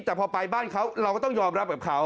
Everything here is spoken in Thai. แต่พอไปบ้านเขาเราก็ต้องยอมรับกับเขา